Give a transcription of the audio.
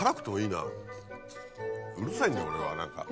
うるさいんだよ俺は何か。